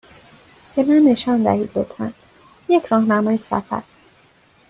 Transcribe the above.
به من نشان دهید، لطفا، یک راهنمای سفر.